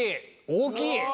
大きい！